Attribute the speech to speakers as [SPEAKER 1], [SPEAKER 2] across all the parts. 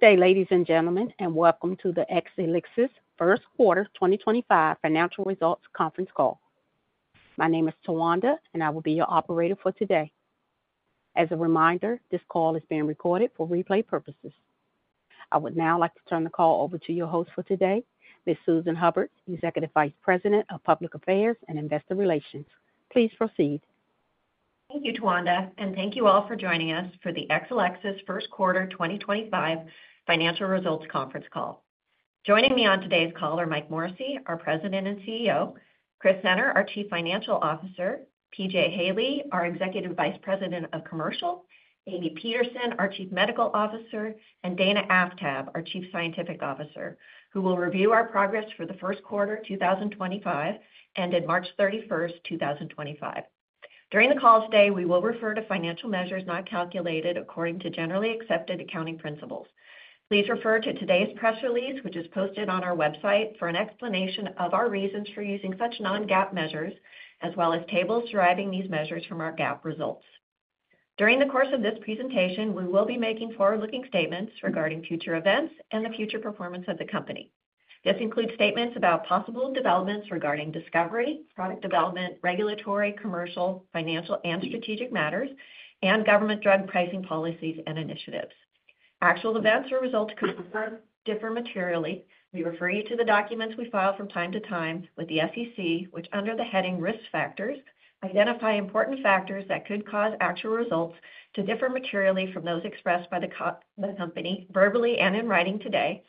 [SPEAKER 1] Good day, ladies and gentlemen, and welcome to the Exelixis First Quarter 2025 Financial Results Conference Call. My name is Tawanda, and I will be your operator for today. As a reminder, this call is being recorded for replay purposes. I would now like to turn the call over to your host for today, Ms. Susan Hubbard, Executive Vice President of Public Affairs and Investor Relations. Please proceed.
[SPEAKER 2] Thank you, Tawanda, and thank you all for joining us for the Exelixis First Quarter 2025 Financial Results Conference Call. Joining me on today's call are Mike Morrissey, our President and CEO, Chris Senner, our Chief Financial Officer, P.J. Haley, our Executive Vice President of Commercial, Amy Peterson, our Chief Medical Officer, and Dana Aftab, our Chief Scientific Officer, who will review our progress for the first quarter 2025 ended March 31, 2025. During the call today, we will refer to financial measures not calculated according to generally accepted accounting principles. Please refer to today's press release, which is posted on our website, for an explanation of our reasons for using such non-GAAP measures, as well as tables deriving these measures from our GAAP results. During the course of this presentation, we will be making forward-looking statements regarding future events and the future performance of the company. This includes statements about possible developments regarding discovery, product development, regulatory, commercial, financial, and strategic matters, and government drug pricing policies and initiatives. Actual events or results could differ materially. We refer you to the documents we file from time to time with the SEC, which, under the heading Risk Factors, identify important factors that could cause actual results to differ materially from those expressed by the company verbally and in writing today,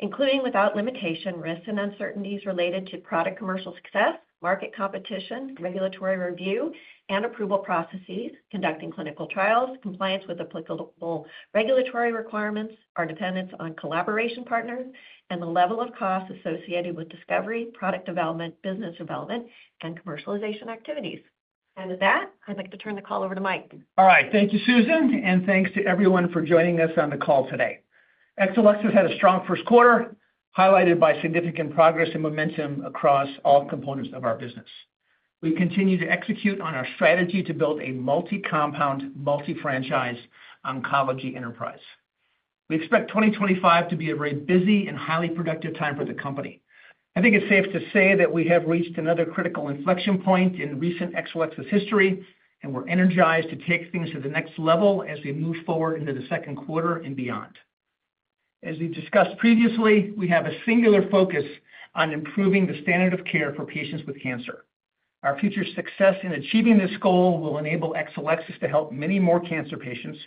[SPEAKER 2] including without limitation risks and uncertainties related to product commercial success, market competition, regulatory review and approval processes, conducting clinical trials, compliance with applicable regulatory requirements, our dependence on collaboration partners, and the level of costs associated with discovery, product development, business development, and commercialization activities. With that, I'd like to turn the call over to Mike.
[SPEAKER 3] All right. Thank you, Susan, and thanks to everyone for joining us on the call today. Exelixis had a strong first quarter, highlighted by significant progress and momentum across all components of our business. We continue to execute on our strategy to build a multi-compound, multi-franchise oncology enterprise. We expect 2025 to be a very busy and highly productive time for the company. I think it's safe to say that we have reached another critical inflection point in recent Exelixis history, and we're energized to take things to the next level as we move forward into the second quarter and beyond. As we've discussed previously, we have a singular focus on improving the standard of care for patients with cancer. Our future success in achieving this goal will enable Exelixis to help many more cancer patients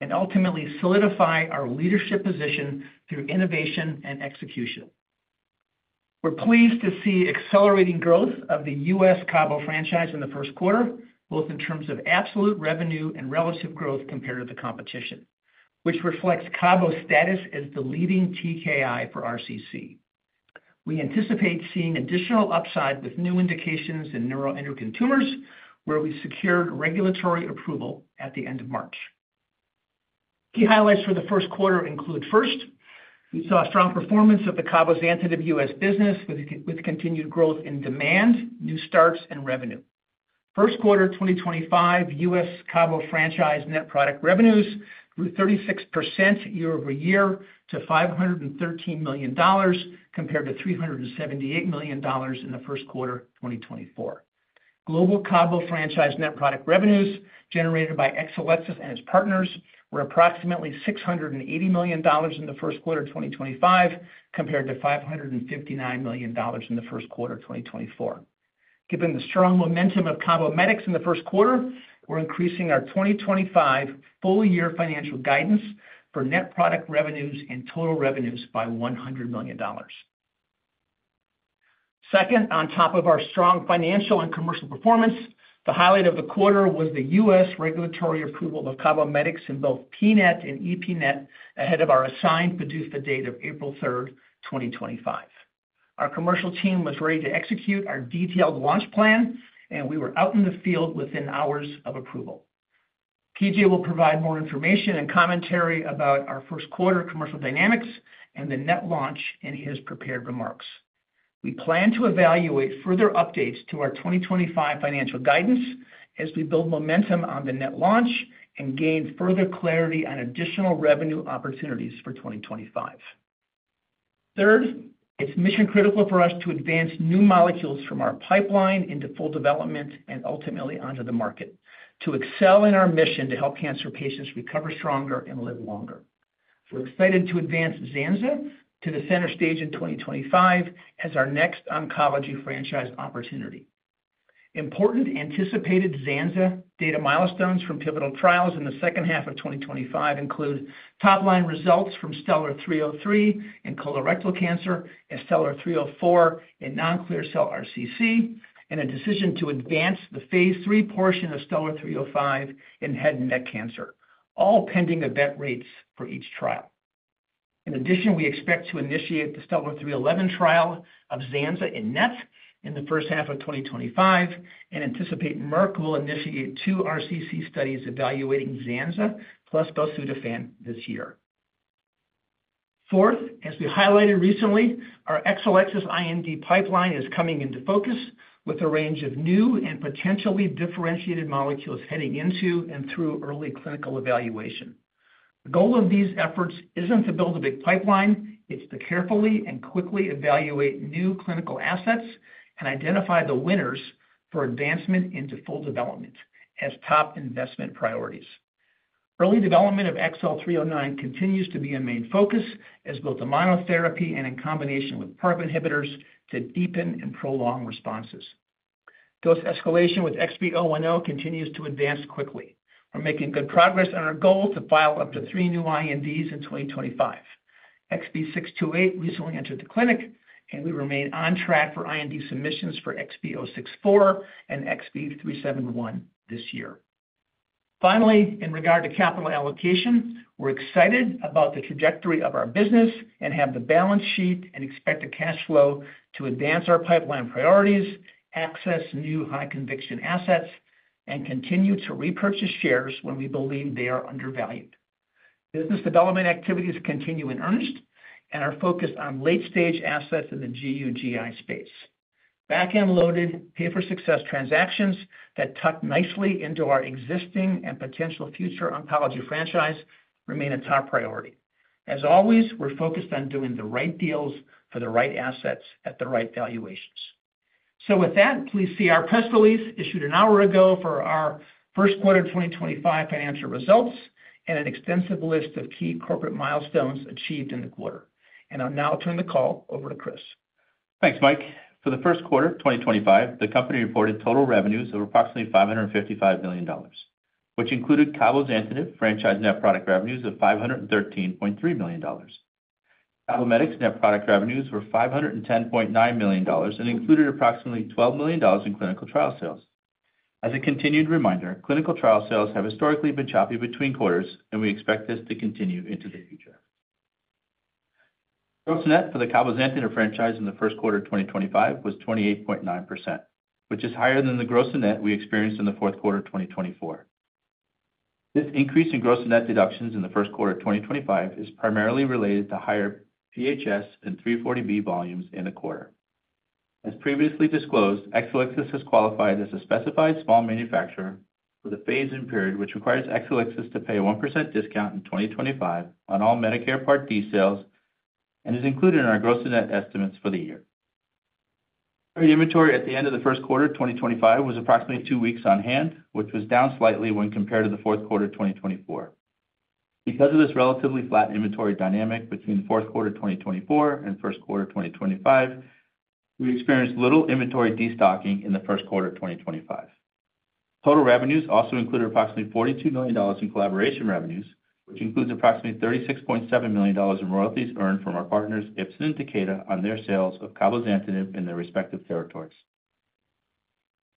[SPEAKER 3] and ultimately solidify our leadership position through innovation and execution. We're pleased to see accelerating growth of the U.S. Cabometyx franchise in the first quarter, both in terms of absolute revenue and relative growth compared to the competition, which reflects Cabometyx's status as the leading TKI for RCC. We anticipate seeing additional upside with new indications in neuroendocrine tumors, where we secured regulatory approval at the end of March. Key highlights for the first quarter include: first, we saw strong performance of the Cabometyx franchise, with continued growth in demand, new starts, and revenue. First quarter 2025 U.S. Cabometyx franchise net product revenues grew 36% year over year to $513 million compared to $378 million in the first quarter 2024. Global Cabometyx franchise net product revenues generated by Exelixis and its partners were approximately $680 million in the first quarter 2025 compared to $559 million in the first quarter 2024. Given the strong momentum of Cabometyx in the first quarter, we're increasing our 2025 full-year financial guidance for net product revenues and total revenues by $100 million. Second, on top of our strong financial and commercial performance, the highlight of the quarter was the U.S. regulatory approval of Cabometyx in both PNET and EPNET ahead of our assigned PDUFA date of April 3rd, 2025. Our commercial team was ready to execute our detailed launch plan, and we were out in the field within hours of approval. P.J. will provide more information and commentary about our first quarter commercial dynamics and the NET launch in his prepared remarks. We plan to evaluate further updates to our 2025 financial guidance as we build momentum on the NET launch and gain further clarity on additional revenue opportunities for 2025. Third, it's mission-critical for us to advance new molecules from our pipeline into full development and ultimately onto the market to excel in our mission to help cancer patients recover stronger and live longer. We're excited to advance Zanza to the center stage in 2025 as our next oncology franchise opportunity. Important anticipated Zanza data milestones from pivotal trials in the second half of 2025 include top-line results from Stellar 303 in colorectal cancer, Stellar 304 in non-clear cell RCC, and a decision to advance the phase three portion of Stellar 305 in head and neck cancer, all pending event rates for each trial. In addition, we expect to initiate the Stellar 311 trial of Zanza in NETs in the first half of 2025 and anticipate Merck will initiate two RCC studies evaluating Zanza plus Bosutofan this year. Fourth, as we highlighted recently, our Exelixis IND pipeline is coming into focus with a range of new and potentially differentiated molecules heading into and through early clinical evaluation. The goal of these efforts isn't to build a big pipeline; it's to carefully and quickly evaluate new clinical assets and identify the winners for advancement into full development as top investment priorities. Early development of XL309 continues to be a main focus as both a monotherapy and in combination with PARP inhibitors to deepen and prolong responses. Dose escalation with XB010 continues to advance quickly. We're making good progress on our goal to file up to three new INDs in 2025. XB628 recently entered the clinic, and we remain on track for IND submissions for XB064 and XB371 this year. Finally, in regard to capital allocation, we're excited about the trajectory of our business and have the balance sheet and expected cash flow to advance our pipeline priorities, access new high-conviction assets, and continue to repurchase shares when we believe they are undervalued. Business development activities continue in earnest and are focused on late-stage assets in the GU/GI space. Back-end loaded, pay-for-success transactions that tuck nicely into our existing and potential future oncology franchise remain a top priority. As always, we're focused on doing the right deals for the right assets at the right valuations. Please see our press release issued an hour ago for our first quarter 2025 financial results and an extensive list of key corporate milestones achieved in the quarter. I'll now turn the call over to Chris.
[SPEAKER 4] Thanks, Mike. For the first quarter 2025, the company reported total revenues of approximately $555 million, which included Cabometyx franchise net product revenues of $513.3 million. Cabometyx net product revenues were $510.9 million and included approximately $12 million in clinical trial sales. As a continued reminder, clinical trial sales have historically been choppy between quarters, and we expect this to continue into the future. Gross net for the Cabometyx franchise in the first quarter 2025 was 28.9%, which is higher than the gross net we experienced in the fourth quarter 2024. This increase in gross net deductions in the first quarter 2025 is primarily related to higher PHS and 340B volumes in the quarter. As previously disclosed, Exelixis has qualified as a specified small manufacturer for the phase-in period, which requires Exelixis to pay a 1% discount in 2025 on all Medicare Part D sales and is included in our gross net estimates for the year. Inventory at the end of the first quarter 2025 was approximately two weeks on hand, which was down slightly when compared to the fourth quarter 2024. Because of this relatively flat inventory dynamic between the fourth quarter 2024 and first quarter 2025, we experienced little inventory destocking in the first quarter 2025. Total revenues also included approximately $42 million in collaboration revenues, which includes approximately $36.7 million in royalties earned from our partners Ipsen and Takeda on their sales of Cabozantinib in their respective territories.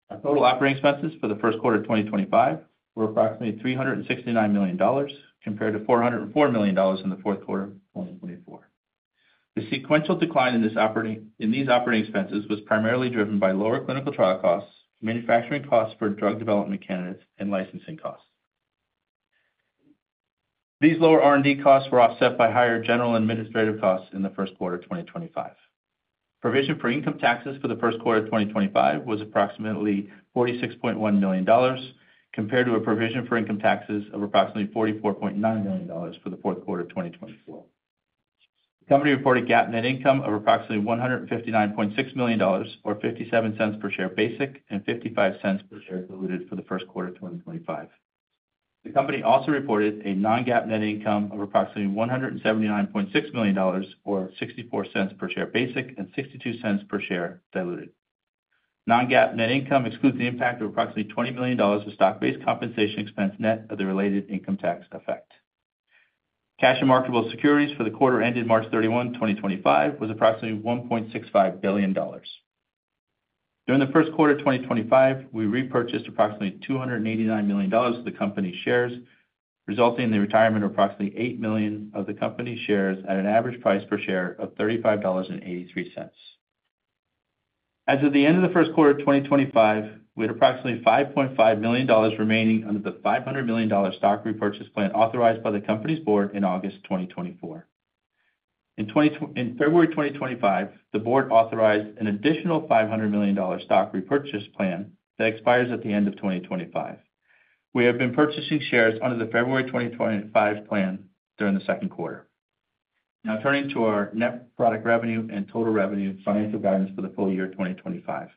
[SPEAKER 4] Our total operating expenses for the first quarter 2025 were approximately $369 million compared to $404 million in the fourth quarter 2024. The sequential decline in these operating expenses was primarily driven by lower clinical trial costs, manufacturing costs for drug development candidates, and licensing costs. These lower R&D costs were offset by higher general administrative costs in the first quarter 2025. Provision for income taxes for the first quarter 2025 was approximately $46.1 million compared to a provision for income taxes of approximately $44.9 million for the fourth quarter 2024. The company reported GAAP net income of approximately $159.6 million, or $0.57 per share basic and $0.55 per share diluted for the first quarter 2025. The company also reported a non-GAAP net income of approximately $179.6 million, or $0.64 per share basic and $0.62 per share diluted. Non-GAAP net income excludes the impact of approximately $20 million of stock-based compensation expense net of the related income tax effect. Cash and marketable securities for the quarter ended March 31, 2025, was approximately $1.65 billion. During the first quarter 2025, we repurchased approximately $289 million of the company's shares, resulting in the retirement of approximately 8 million of the company's shares at an average price per share of $35.83. As of the end of the first quarter 2025, we had approximately $5.5 million remaining under the $500 million stock repurchase plan authorized by the company's board in August 2024. In February 2025, the board authorized an additional $500 million stock repurchase plan that expires at the end of 2025. We have been purchasing shares under the February 2025 plan during the second quarter. Now turning to our net product revenue and total revenue financial guidance for the full year 2025.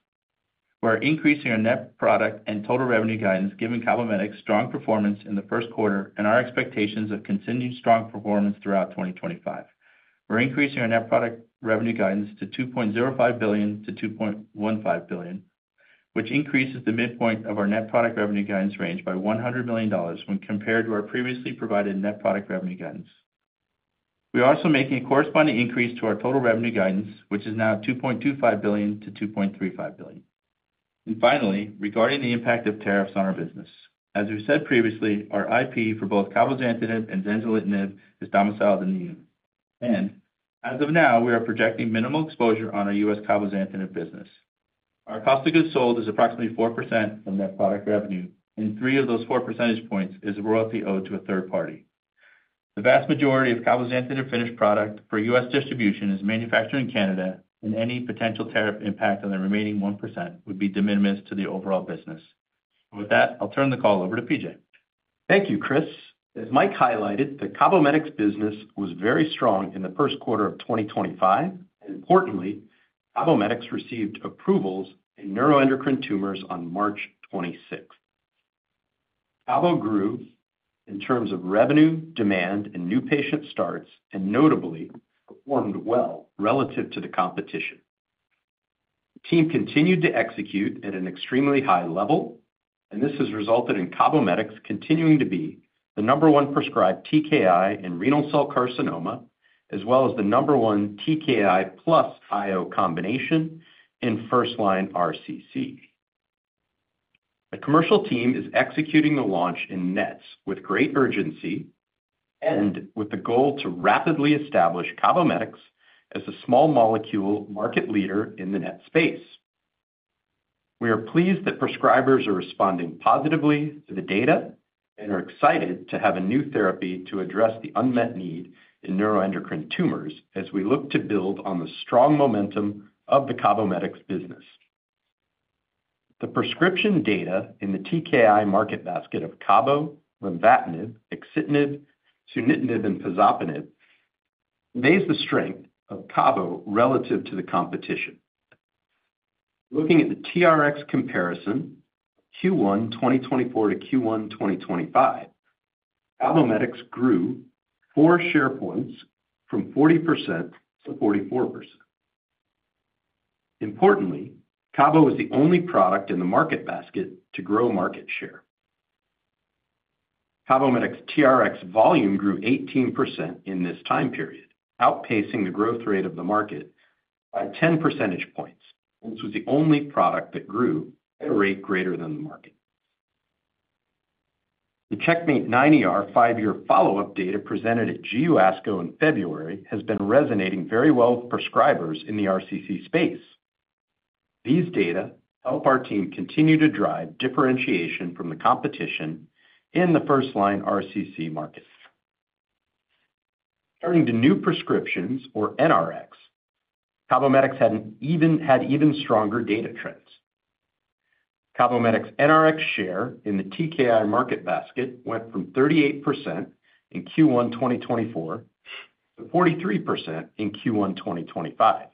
[SPEAKER 4] We're increasing our net product and total revenue guidance, giving Cabometyx strong performance in the first quarter and our expectations of continued strong performance throughout 2025. We're increasing our net product revenue guidance to $2.05 billion-$2.15 billion, which increases the midpoint of our net product revenue guidance range by $100 million when compared to our previously provided net product revenue guidance. We are also making a corresponding increase to our total revenue guidance, which is now $2.25 billion-$2.35 billion. Finally, regarding the impact of tariffs on our business. As we said previously, our IP for both Cabozantinib and Zanzalintinib is domiciled in the U.S. and as of now, we are projecting minimal exposure on our U.S. Cabozantinib business. Our cost of goods sold is approximately 4% of net product revenue, and three of those four percentage points is a royalty owed to a third party. The vast majority of Cabozantinib finished product for U.S. distribution is manufactured in Canada, and any potential tariff impact on the remaining 1% would be de minimis to the overall business. With that, I'll turn the call over to P.J.
[SPEAKER 5] Thank you, Chris. As Mike highlighted, the Cabometyx business was very strong in the first quarter of 2025. Importantly, Cabometyx received approvals in neuroendocrine tumors on March 26th. Cabometyx grew in terms of revenue, demand, and new patient starts, and notably performed well relative to the competition. The team continued to execute at an extremely high level, and this has resulted in Cabometyx continuing to be the number one prescribed TKI in renal cell carcinoma, as well as the number one TKI plus IO combination in first-line RCC. The commercial team is executing the launch in NETs with great urgency and with the goal to rapidly establish Cabometyx as a small molecule market leader in the NET space. We are pleased that prescribers are responding positively to the data and are excited to have a new therapy to address the unmet need in neuroendocrine tumors as we look to build on the strong momentum of the Cabometyx business. The prescription data in the TKI market basket of Cabometyx, Lenvatinib, Axitinib, Sunitinib, and Pazopanib conveys the strength of Cabometyx relative to the competition. Looking at the TRX comparison Q1 2024 to Q1 2025, Cabometyx grew four share points from 40% to 44%. Importantly, Cabometyx is the only product in the market basket to grow market share. Cabometyx's TRX volume grew 18% in this time period, outpacing the growth rate of the market by 10 percentage points. This was the only product that grew at a rate greater than the market. The Checkmate 9ER five-year follow-up data presented at GU ASCO in February has been resonating very well with prescribers in the RCC space. These data help our team continue to drive differentiation from the competition in the first-line RCC market. Turning to new prescriptions, or NRX, Cabometyx had even stronger data trends. Cabometyx's NRX share in the TKI market basket went from 38% in Q1 2024 to 43% in Q1 2025.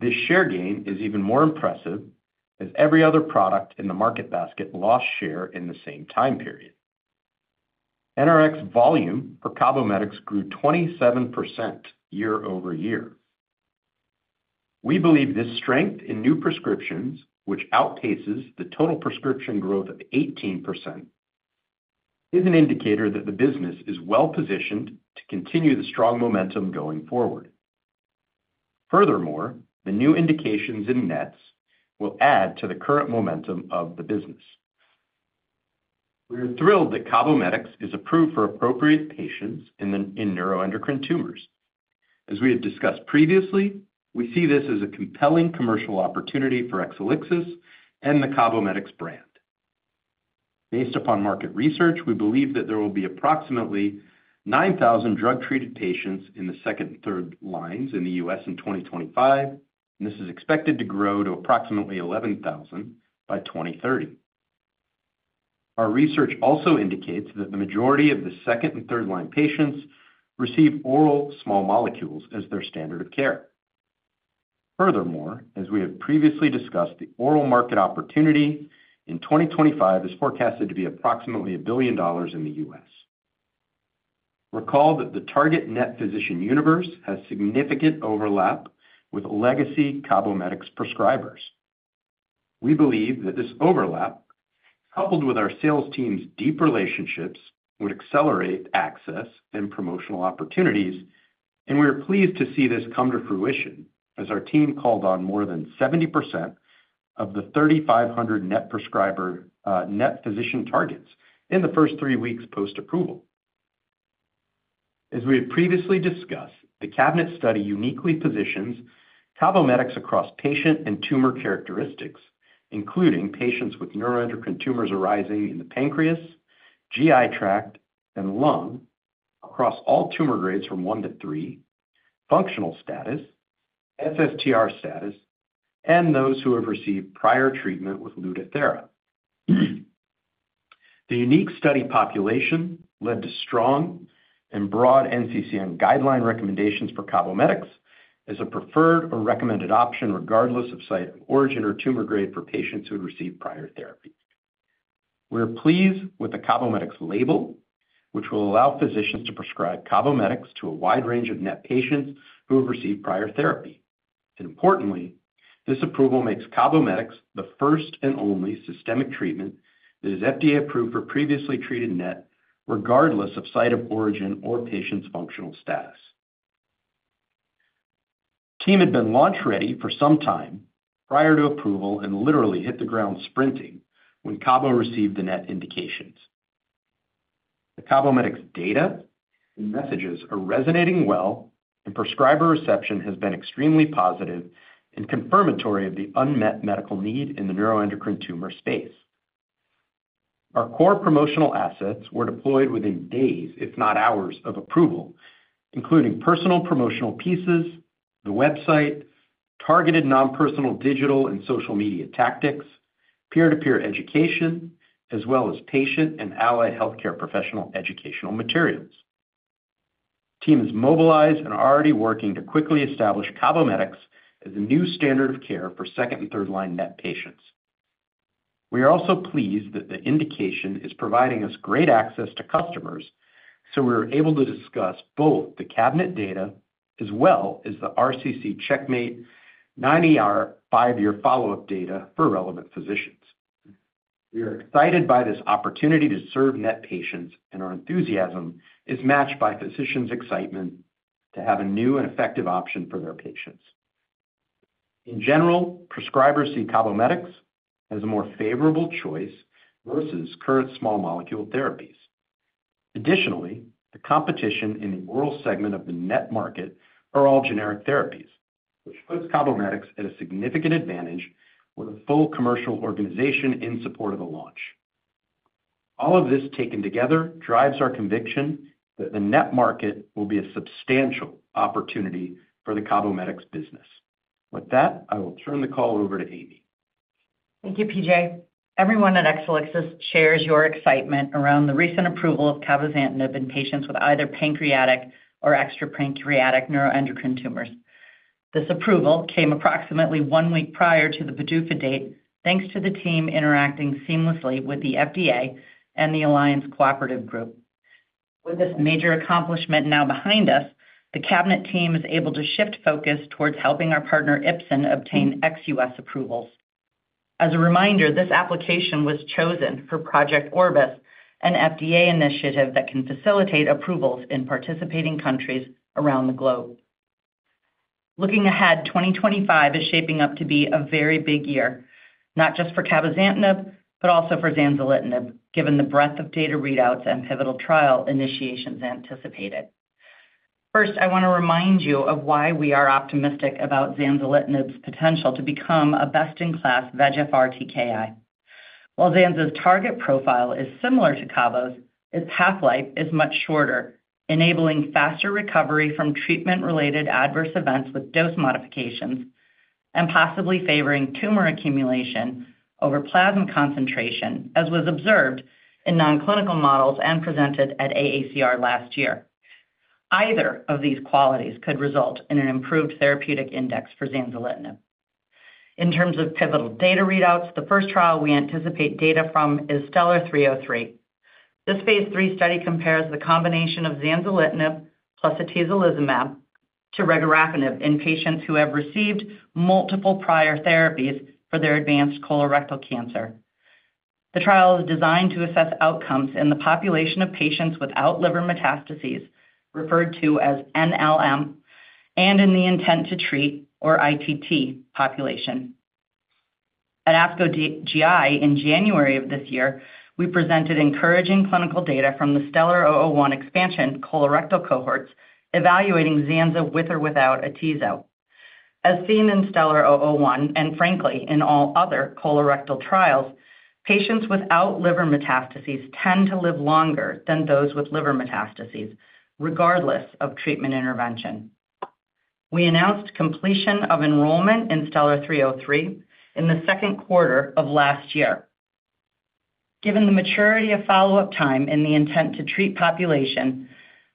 [SPEAKER 5] This share gain is even more impressive as every other product in the market basket lost share in the same time period. NRX volume for Cabometyx grew 27% year over year. We believe this strength in new prescriptions, which outpaces the total prescription growth of 18%, is an indicator that the business is well-positioned to continue the strong momentum going forward. Furthermore, the new indications in NETs will add to the current momentum of the business. We are thrilled that Cabometyx is approved for appropriate patients in neuroendocrine tumors. As we have discussed previously, we see this as a compelling commercial opportunity for Exelixis and the Cabometyx brand. Based upon market research, we believe that there will be approximately 9,000 drug-treated patients in the second and third lines in the U.S. in 2025, and this is expected to grow to approximately 11,000 by 2030. Our research also indicates that the majority of the second and third-line patients receive oral small molecules as their standard of care. Furthermore, as we have previously discussed, the oral market opportunity in 2025 is forecasted to be approximately $1 billion in the U.S. Recall that the target net physician universe has significant overlap with legacy Cabometyx prescribers. We believe that this overlap, coupled with our sales team's deep relationships, would accelerate access and promotional opportunities, and we are pleased to see this come to fruition as our team called on more than 70% of the 3,500 NET physician targets in the first three weeks post-approval. As we have previously discussed, the CABINET study uniquely positions Cabometyx across patient and tumor characteristics, including patients with neuroendocrine tumors arising in the pancreas, GI tract, and lung across all tumor grades from 1 to 3, functional status, SSTR status, and those who have received prior treatment with Lutathera. The unique study population led to strong and broad NCCN guideline recommendations for Cabometyx as a preferred or recommended option regardless of site of origin or tumor grade for patients who have received prior therapy. We are pleased with the Cabometyx label, which will allow physicians to prescribe Cabometyx to a wide range of NET patients who have received prior therapy. Importantly, this approval makes Cabometyx the first and only systemic treatment that is FDA-approved for previously treated NET, regardless of site of origin or patient's functional status. Our team had been launch-ready for some time prior to approval and literally hit the ground sprinting when Cabometyx received the NET indications. The Cabometyx data and messages are resonating well, and prescriber reception has been extremely positive and confirmatory of the unmet medical need in the neuroendocrine tumor space. Our core promotional assets were deployed within days, if not hours, of approval, including personal promotional pieces, the website, targeted non-personal digital and social media tactics, peer-to-peer education, as well as patient and allied healthcare professional educational materials. The team is mobilized and already working to quickly establish Cabometyx as a new standard of care for second and third-line NET patients. We are also pleased that the indication is providing us great access to customers, so we were able to discuss both the cabozantinib data as well as the RCC CheckMate 9ER five-year follow-up data for relevant physicians. We are excited by this opportunity to serve NET patients, and our enthusiasm is matched by physicians' excitement to have a new and effective option for their patients. In general, prescribers see Cabometyx as a more favorable choice versus current small molecule therapies. Additionally, the competition in the oral segment of the NET market are all generic therapies, which puts Cabometyx at a significant advantage with a full commercial organization in support of the launch. All of this taken together drives our conviction that the NET market will be a substantial opportunity for the Cabometyx business. With that, I will turn the call over to Amy.
[SPEAKER 6] Thank you, P.J. Everyone at Exelixis shares your excitement around the recent approval of Cabozantinib in patients with either pancreatic or extrapancreatic neuroendocrine tumors. This approval came approximately one week prior to the PDUFA date, thanks to the team interacting seamlessly with the FDA and the Alliance Cooperative Group. With this major accomplishment now behind us, the Cabozantinib team is able to shift focus towards helping our partner Ipsen obtain ex-U.S. approvals. As a reminder, this application was chosen for Project Orbis, an FDA initiative that can facilitate approvals in participating countries around the globe. Looking ahead, 2025 is shaping up to be a very big year, not just for Cabozantinib, but also for Zanzalintinib, given the breadth of data readouts and pivotal trial initiations anticipated. First, I want to remind you of why we are optimistic about Zanzalintinib's potential to become a best-in-class VEGFR TKI. While Zanza's target profile is similar to Cabo's, its half-life is much shorter, enabling faster recovery from treatment-related adverse events with dose modifications and possibly favoring tumor accumulation over plasma concentration, as was observed in non-clinical models and presented at AACR last year. Either of these qualities could result in an improved therapeutic index for Zanzalintinib. In terms of pivotal data readouts, the first trial we anticipate data from is Stellar 303. This phase three study compares the combination of Zanzalintinib plus Atazolizumab to Regorafenib in patients who have received multiple prior therapies for their advanced colorectal cancer. The trial is designed to assess outcomes in the population of patients without liver metastases, referred to as NLM, and in the intent to treat or ITT population. At ASCO GI in January of this year, we presented encouraging clinical data from the Stellar 001 expansion colorectal cohorts evaluating Zanza with or without Atazolizumab. As seen in Stellar 001 and, frankly, in all other colorectal trials, patients without liver metastases tend to live longer than those with liver metastases, regardless of treatment intervention. We announced completion of enrollment in Stellar 303 in the second quarter of last year. Given the maturity of follow-up time in the intent to treat population,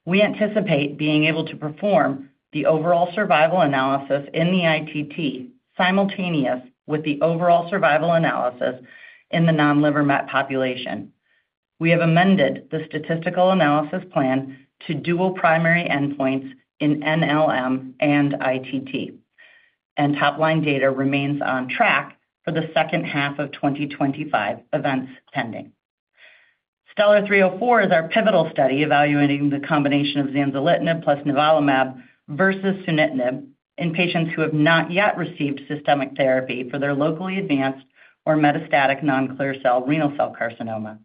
[SPEAKER 6] we anticipate being able to perform the overall survival analysis in the ITT simultaneous with the overall survival analysis in the non-liver metastases population. We have amended the statistical analysis plan to dual primary endpoints in NLM and ITT, and top-line data remains on track for the second half of 2025 events pending. Stellar 304 is our pivotal study evaluating the combination of Zanzalintinib plus Nivolumab versus Sunitinib in patients who have not yet received systemic therapy for their locally advanced or metastatic non-clear cell renal cell carcinoma.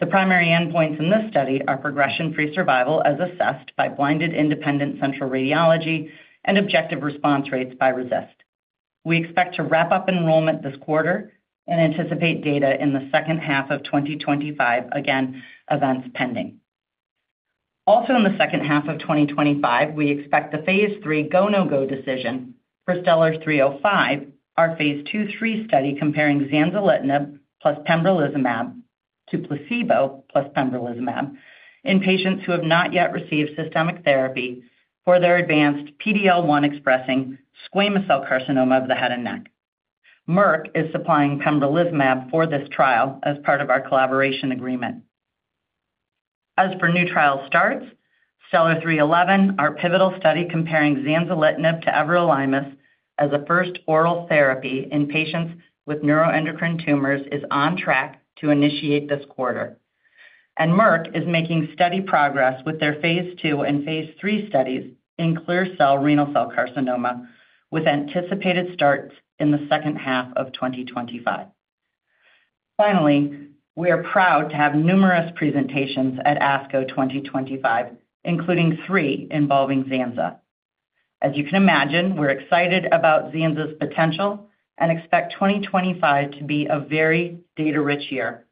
[SPEAKER 6] The primary endpoints in this study are progression-free survival as assessed by blinded independent central radiology and objective response rates by RECIST. We expect to wrap up enrollment this quarter and anticipate data in the second half of 2025, again, events pending. Also in the second half of 2025, we expect the phase three go-no-go decision for Stellar 305, our phase two/three study comparing Zanzalintinib plus Pembrolizumab to placebo plus Pembrolizumab in patients who have not yet received systemic therapy for their advanced PD-L1 expressing squamous cell carcinoma of the head and neck. Merck is supplying Pembrolizumab for this trial as part of our collaboration agreement. As for new trial starts, Stellar 311, our pivotal study comparing Zanzalintinib to Everolimus as a first oral therapy in patients with neuroendocrine tumors, is on track to initiate this quarter. Merck is making steady progress with their phase two and phase three studies in clear cell renal cell carcinoma, with anticipated starts in the second half of 2025. Finally, we are proud to have numerous presentations at ASCO 2025, including three involving Zanza. As you can imagine, we're excited about Zanza's potential and expect 2025 to be a very data-rich year.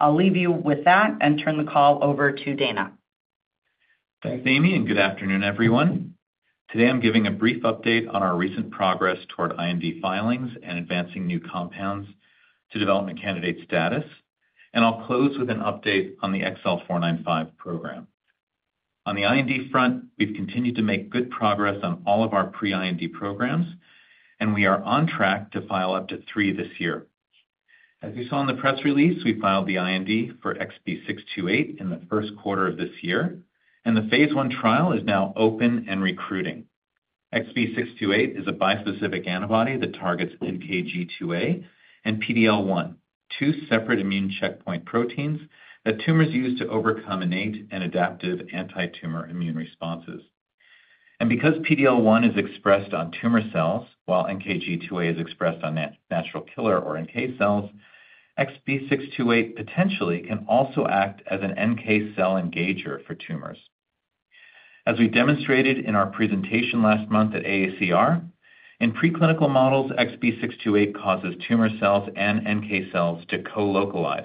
[SPEAKER 6] I'll leave you with that and turn the call over to Dana.
[SPEAKER 7] Thanks, Amy, and good afternoon, everyone. Today, I'm giving a brief update on our recent progress toward IND filings and advancing new compounds to development candidate status, and I'll close with an update on the XL495 program. On the IND front, we've continued to make good progress on all of our pre-IND programs, and we are on track to file up to three this year. As you saw in the press release, we filed the IND for XB628 in the first quarter of this year, and the phase one trial is now open and recruiting. XB628 is a bispecific antibody that targets NKG2A and PD-L1, two separate immune checkpoint proteins that tumors use to overcome innate and adaptive anti-tumor immune responses. Because PD-L1 is expressed on tumor cells while NKG2A is expressed on natural killer or NK cells, XB628 potentially can also act as an NK cell engager for tumors. As we demonstrated in our presentation last month at AACR, in preclinical models, XB628 causes tumor cells and NK cells to co-localize,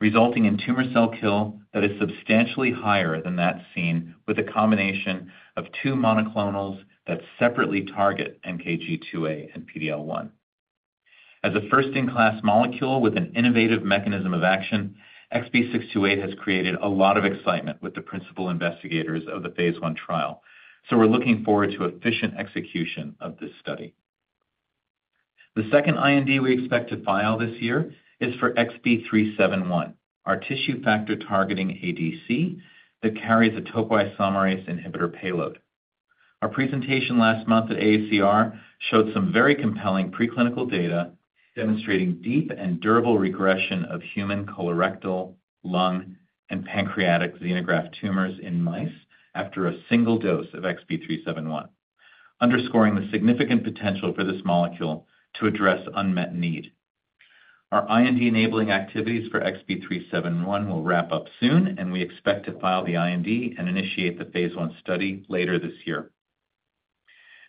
[SPEAKER 7] resulting in tumor cell kill that is substantially higher than that seen with a combination of two monoclonals that separately target NKG2A and PD-L1. As a first-in-class molecule with an innovative mechanism of action, XB628 has created a lot of excitement with the principal investigators of the phase one trial, so we're looking forward to efficient execution of this study. The second IND we expect to file this year is for XB371, our tissue factor targeting ADC that carries a topoisomerase inhibitor payload. Our presentation last month at AACR showed some very compelling preclinical data demonstrating deep and durable regression of human colorectal, lung, and pancreatic xenograft tumors in mice after a single dose of XB371, underscoring the significant potential for this molecule to address unmet need. Our IND-enabling activities for XB371 will wrap up soon, and we expect to file the IND and initiate the phase one study later this year.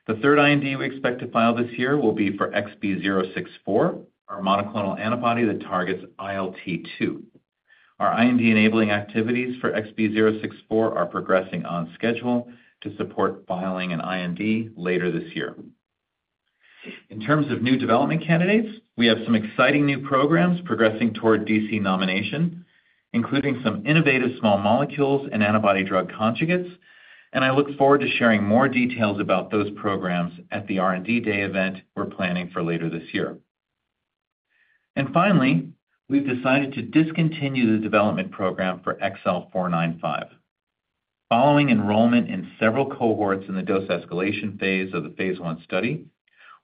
[SPEAKER 7] The third IND we expect to file this year will be for XB064, our monoclonal antibody that targets ILT2. Our IND-enabling activities for XB064 are progressing on schedule to support filing an IND later this year. In terms of new development candidates, we have some exciting new programs progressing toward DC nomination, including some innovative small molecules and antibody drug conjugates, and I look forward to sharing more details about those programs at the R&D Day event we're planning for later this year. Finally, we've decided to discontinue the development program for XL495. Following enrollment in several cohorts in the dose escalation phase of the phase one study,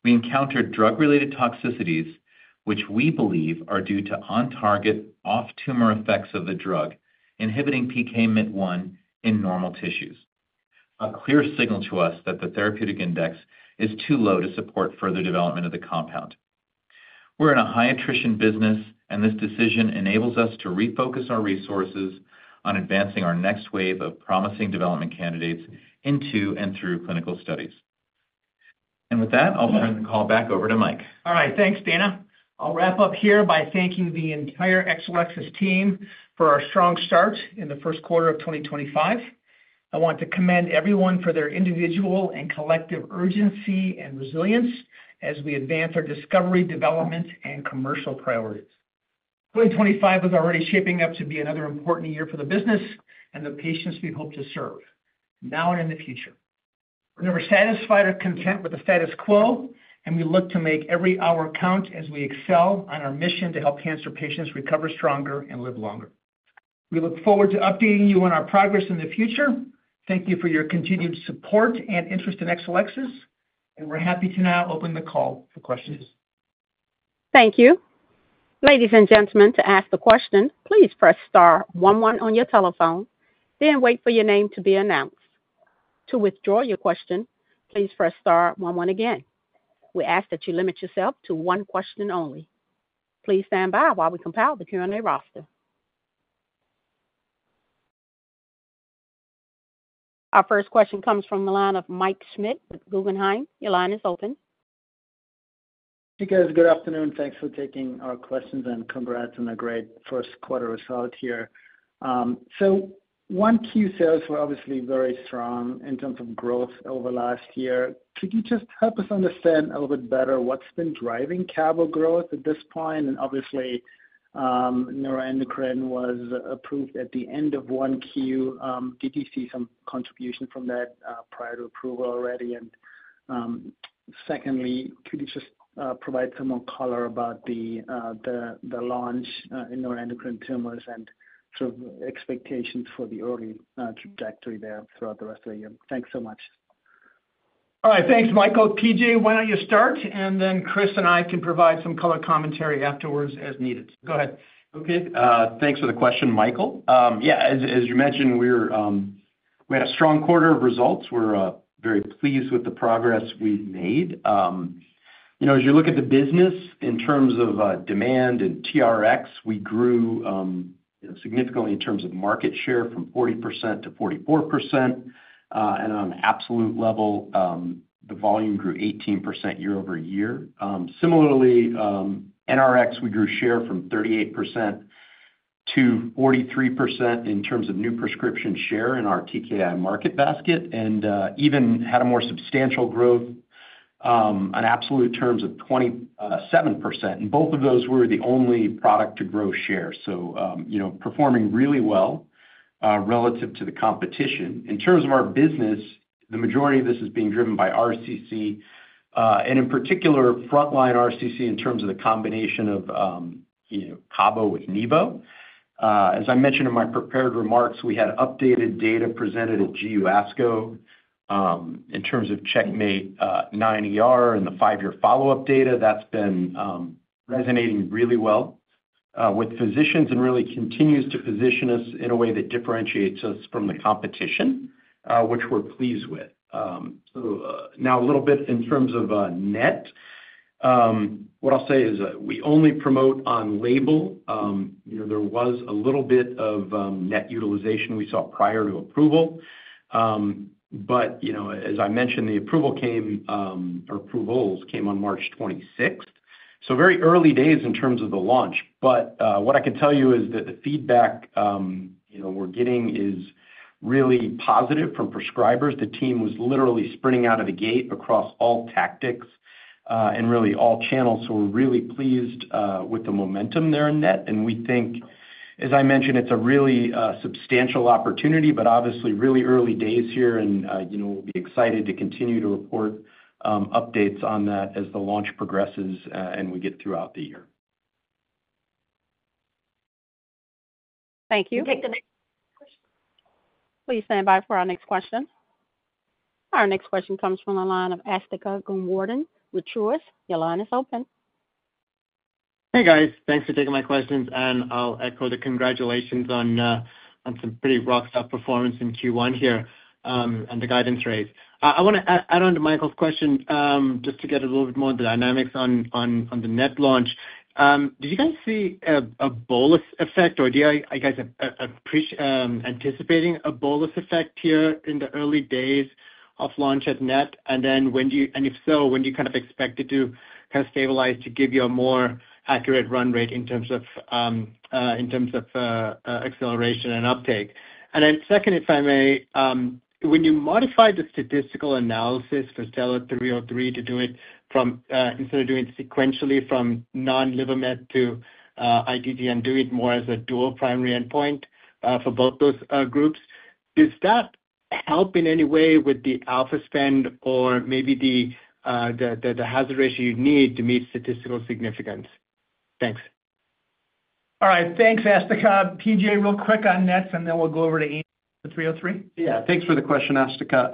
[SPEAKER 7] we encountered drug-related toxicities, which we believe are due to on-target, off-tumor effects of the drug inhibiting PK-MYT1 in normal tissues, a clear signal to us that the therapeutic index is too low to support further development of the compound. We're in a high-attrition business, and this decision enables us to refocus our resources on advancing our next wave of promising development candidates into and through clinical studies. With that, I'll turn the call back over to Mike.
[SPEAKER 3] All right, thanks, Dana. I'll wrap up here by thanking the entire Exelixis team for our strong start in the first quarter of 2025. I want to commend everyone for their individual and collective urgency and resilience as we advance our discovery, development, and commercial priorities. 2025 is already shaping up to be another important year for the business and the patients we hope to serve, now and in the future. We're never satisfied or content with the status quo, and we look to make every hour count as we excel on our mission to help cancer patients recover stronger and live longer. We look forward to updating you on our progress in the future. Thank you for your continued support and interest in Exelixis, and we're happy to now open the call for questions.
[SPEAKER 1] Thank you. Ladies and gentlemen, to ask a question, please press star 11 on your telephone, then wait for your name to be announced. To withdraw your question, please press star 11 again. We ask that you limit yourself to one question only. Please stand by while we compile the Q&A roster. Our first question comes from Mike Schmidt at Guggenheim. Your line is open.
[SPEAKER 8] Hey, guys. Good afternoon. Thanks for taking our questions and congrats on a great first quarter result here. One key sales were obviously very strong in terms of growth over last year. Could you just help us understand a little bit better what's been driving cabo growth at this point? Obviously, neuroendocrine was approved at the end of one Q. Did you see some contribution from that prior to approval already? Secondly, could you just provide some more color about the launch in neuroendocrine tumors and sort of expectations for the early trajectory there throughout the rest of the year? Thanks so much.
[SPEAKER 3] All right, thanks, Michael. P.J., why don't you start? Then Chris and I can provide some color commentary afterwards as needed. Go ahead.
[SPEAKER 5] Okay. Thanks for the question, Michael. Yeah, as you mentioned, we had a strong quarter of results. We're very pleased with the progress we've made. As you look at the business in terms of demand and TRX, we grew significantly in terms of market share from 40% to 44%. On an absolute level, the volume grew 18% year over year. Similarly, NRX, we grew share from 38% to 43% in terms of new prescription share in our TKI market basket and even had a more substantial growth on absolute terms of 27%. Both of those were the only product-to-grow shares. Performing really well relative to the competition. In terms of our business, the majority of this is being driven by RCC, and in particular, frontline RCC in terms of the combination of Cabo with Nivo. As I mentioned in my prepared remarks, we had updated data presented at GU ASCO in terms of Checkmate 9ER and the five-year follow-up data. That's been resonating really well with physicians and really continues to position us in a way that differentiates us from the competition, which we're pleased with. Now a little bit in terms of NET. What I'll say is we only promote on label. There was a little bit of NET utilization we saw prior to approval. As I mentioned, the approvals came on March 26, so very early days in terms of the launch. What I can tell you is that the feedback we're getting is really positive from prescribers. The team was literally sprinting out of the gate across all tactics and really all channels. We're really pleased with the momentum there in NET. We think, as I mentioned, it's a really substantial opportunity, but obviously really early days here, and we'll be excited to continue to report updates on that as the launch progresses and we get throughout the year.
[SPEAKER 1] Thank you. Please stand by for our next question. Our next question comes from the line of Asthika Goonewardene with Truist. Your line is open.
[SPEAKER 9] Hey, guys. Thanks for taking my questions. I'll echo the congratulations on some pretty rock-solid performance in Q1 here and the guidance rates. I want to add on to Michael's question just to get a little bit more of the dynamics on the NET launch. Did you guys see a bolus effect, or are you guys anticipating a bolus effect here in the early days of launch at NET? If so, when do you kind of expect it to kind of stabilize to give you a more accurate run rate in terms of acceleration and uptake? Second, if I may, when you modify the statistical analysis for Stella 303 to do it from—instead of doing it sequentially from non-liver met to ITG and do it more as a dual primary endpoint for both those groups, does that help in any way with the alpha spend or maybe the hazard ratio you need to meet statistical significance? Thanks.
[SPEAKER 3] All right. Thanks, Asthika. P.J., real quick on NETs, and then we'll go over to Amy with 303.
[SPEAKER 5] Yeah, thanks for the question, Astica.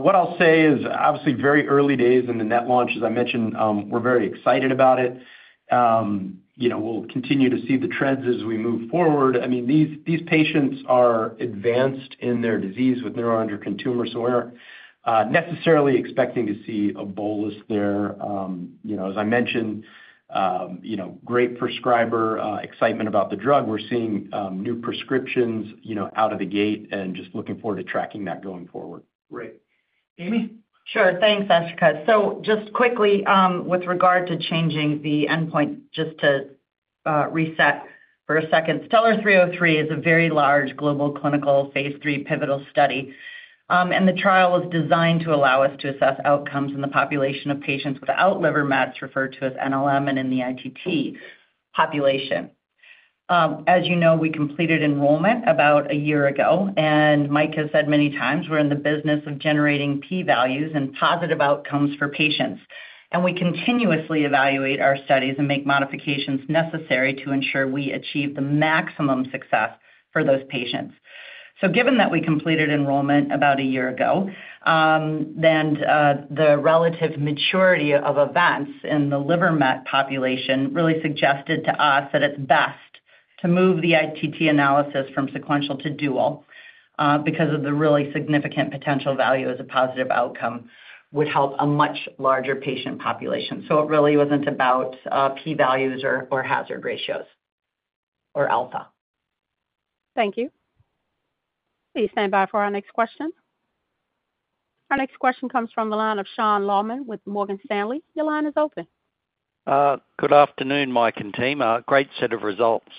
[SPEAKER 5] What I'll say is obviously very early days in the NET launch, as I mentioned, we're very excited about it. We'll continue to see the trends as we move forward. I mean, these patients are advanced in their disease with neuroendocrine tumors, so we're necessarily expecting to see a bolus there. As I mentioned, great prescriber excitement about the drug. We're seeing new prescriptions out of the gate and just looking forward to tracking that going forward.
[SPEAKER 3] Great. Amy?
[SPEAKER 6] Sure. Thanks, Asthika. Just quickly, with regard to changing the endpoint, just to reset for a second, Stellar 303 is a very large global clinical phase 3 pivotal study. The trial was designed to allow us to assess outcomes in the population of patients without liver mets, referred to as NLM, and in the ITT population. As you know, we completed enrollment about a year ago. Mike has said many times, we're in the business of generating P values and positive outcomes for patients. We continuously evaluate our studies and make modifications necessary to ensure we achieve the maximum success for those patients. Given that we completed enrollment about a year ago, then the relative maturity of events in the liver met population really suggested to us that it's best to move the ITT analysis from sequential to dual because of the really significant potential value as a positive outcome would help a much larger patient population. It really wasn't about P values or hazard ratios or alpha.
[SPEAKER 9] Thank you.
[SPEAKER 1] Please stand by for our next question. Our next question comes from the line of Sean Laaman with Morgan Stanley. Your line is open.
[SPEAKER 10] Good afternoon, Mike and team. Great set of results.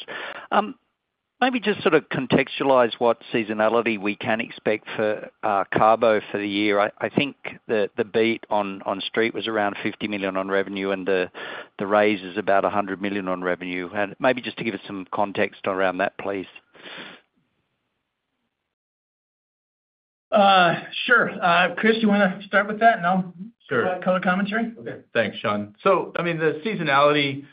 [SPEAKER 10] Maybe just sort of contextualize what seasonality we can expect for Cabo for the year. I think the beat on street was around $50 million on revenue, and the raise is about $100 million on revenue. Maybe just to give us some context around that, please.
[SPEAKER 3] Sure. Chris, do you want to start with that and I'll color commentary?
[SPEAKER 4] Okay. Thanks, Sean. I mean, the seasonality, I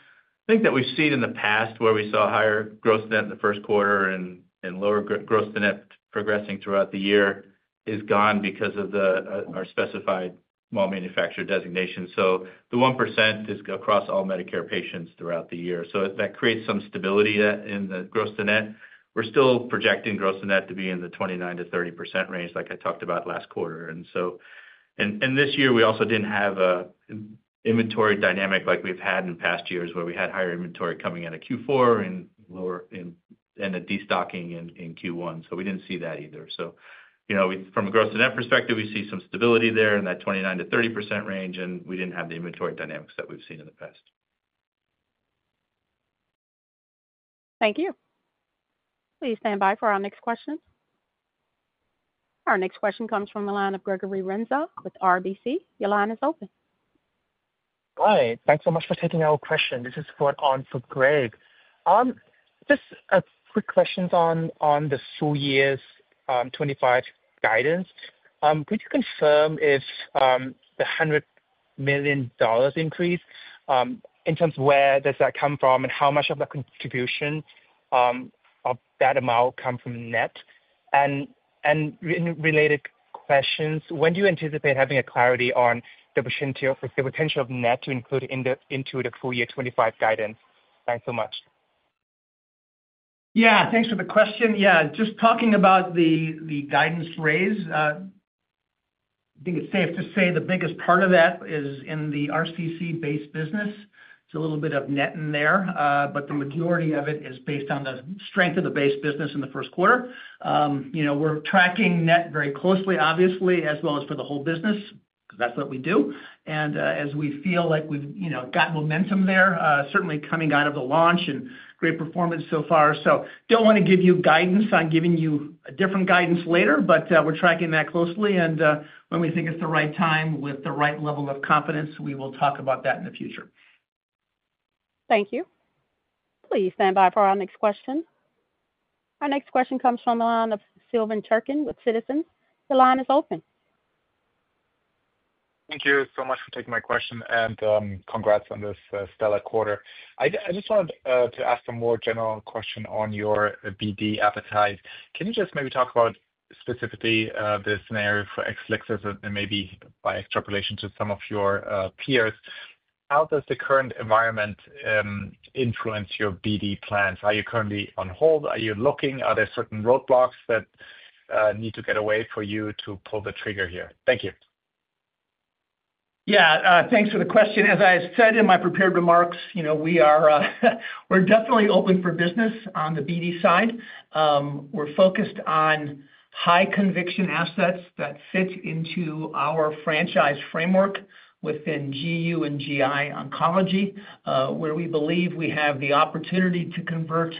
[SPEAKER 4] think that we've seen in the past where we saw higher gross net in the first quarter and lower gross net progressing throughout the year is gone because of our specified small manufacturer designation. The 1% is across all Medicare patients throughout the year. That creates some stability in the gross to net. We're still projecting gross to net to be in the 29%-30% range like I talked about last quarter. This year, we also didn't have an inventory dynamic like we've had in past years where we had higher inventory coming out of Q4 and a destocking in Q1. We didn't see that either. From a gross to net perspective, we see some stability there in that 29-30% range, and we did not have the inventory dynamics that we have seen in the past.
[SPEAKER 1] Thank you. Please stand by for our next question. Our next question comes from the line of Gregory Renza with RBC. Your line is open.
[SPEAKER 11] Hi. Thanks so much for taking our question. This is for Ansel Craig. Just a quick question on the full year 2025 guidance. Could you confirm if the $100 million increase, in terms of where does that come from, and how much of the contribution of that amount comes from NET? And related question, when do you anticipate having clarity on the potential of NET to include into the full year 2025 guidance? Thanks so much.
[SPEAKER 3] Yeah, thanks for the question. Yeah, just talking about the guidance raise, I think it's safe to say the biggest part of that is in the RCC-based business. It's a little bit of NET in there, but the majority of it is based on the strength of the base business in the first quarter. We're tracking NET very closely, obviously, as well as for the whole business because that's what we do. And as we feel like we've got momentum there, certainly coming out of the launch and great performance so far. Don't want to give you guidance on giving you a different guidance later, but we're tracking that closely. When we think it's the right time with the right level of confidence, we will talk about that in the future.
[SPEAKER 1] Thank you. Please stand by for our next question. Our next question comes from the line of Sylvan Turkin with Citizens. The line is open.
[SPEAKER 12] Thank you so much for taking my question, and congrats on this stellar quarter. I just wanted to ask a more general question on your BD appetite. Can you just maybe talk about specifically the scenario for Exelixis and maybe by extrapolation to some of your peers? How does the current environment influence your BD plans? Are you currently on hold? Are you looking? Are there certain roadblocks that need to get away for you to pull the trigger here? Thank you.
[SPEAKER 3] Yeah, thanks for the question. As I said in my prepared remarks, we're definitely open for business on the BD side. We're focused on high-conviction assets that fit into our franchise framework within GU and GI oncology, where we believe we have the opportunity to convert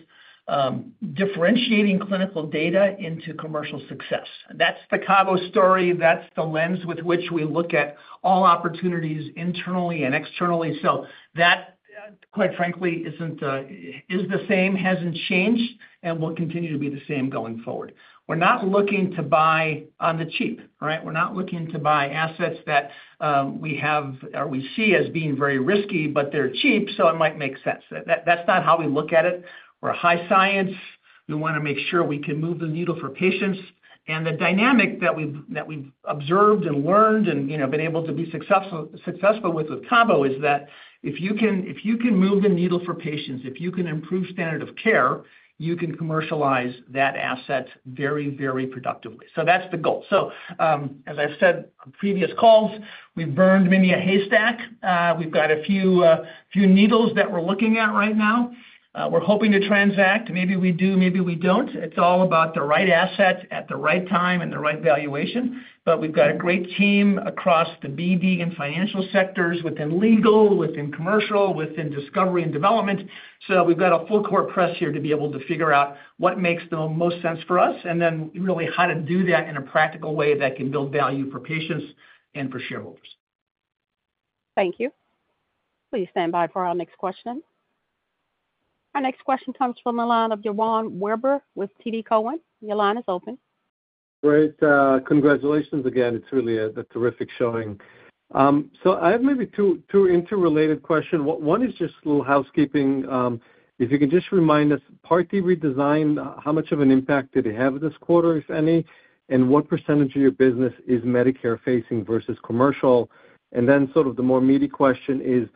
[SPEAKER 3] differentiating clinical data into commercial success. That's the Cabo story. That's the lens with which we look at all opportunities internally and externally. That, quite frankly, is the same, hasn't changed, and will continue to be the same going forward. We're not looking to buy on the cheap, right? We're not looking to buy assets that we have or we see as being very risky, but they're cheap, so it might make sense. That's not how we look at it. We're high science. We want to make sure we can move the needle for patients. The dynamic that we've observed and learned and been able to be successful with Cabo is that if you can move the needle for patients, if you can improve standard of care, you can commercialize that asset very, very productively. That is the goal. As I've said on previous calls, we've burned many a haystack. We've got a few needles that we're looking at right now. We're hoping to transact. Maybe we do, maybe we don't. It's all about the right asset at the right time and the right valuation. We've got a great team across the BD and financial sectors within legal, within commercial, within discovery and development. We've got a full court press here to be able to figure out what makes the most sense for us, and then really how to do that in a practical way that can build value for patients and for shareholders.
[SPEAKER 1] Thank you. Please stand by for our next question. Our next question comes from the line of Yvonne Werber with TD Cowen. Your line is open.
[SPEAKER 13] Great. Congratulations again. It's really a terrific showing. I have maybe two interrelated questions. One is just a little housekeeping. If you can just remind us, Part D redesign, how much of an impact did it have this quarter, if any, and what % of your business is Medicare-facing versus commercial? The more meaty question is,